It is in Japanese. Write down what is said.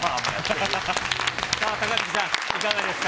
高杉さん、いかがですか。